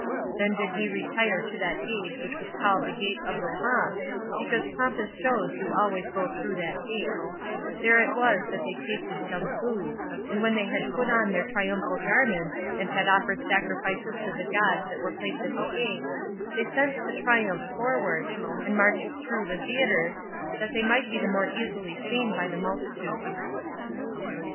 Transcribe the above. Then did he retire to that gate which was called the Gate of the Pomp, because pompous shows do always go through that gate; there it was that they tasted some food, and when they had put on their triumphal garments, and had offered sacrifices to the gods that were placed at the gate, they sent the triumph forward, and marched through the theatres, that they might be the more easily seen by the multitudes.